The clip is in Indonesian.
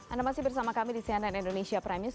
anda masih bersama kami di cnn indonesia prime news